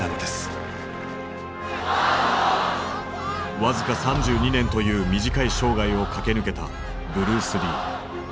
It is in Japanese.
僅か３２年という短い生涯を駆け抜けたブルース・リー。